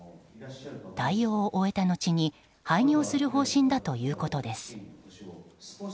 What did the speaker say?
対応を終えたのちに廃業する方針だということです。